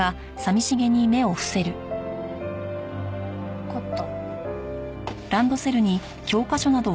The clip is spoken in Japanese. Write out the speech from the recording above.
わかった。